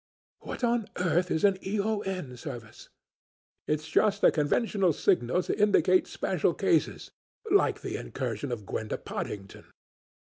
"What on earth is an E.O.N. service?" "It's just a conventional signal to indicate special cases like the incursion of Gwenda Pottingdon.